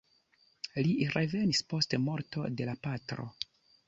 Li revenis post morto de la patro.